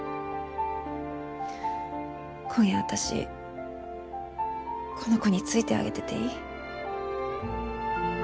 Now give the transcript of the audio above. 今夜私この子についてあげてていい？